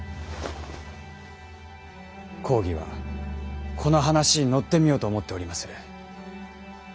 公儀はこの話に乗ってみようと思っておりまする。